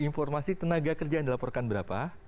informasi tenaga kerja yang dilaporkan berapa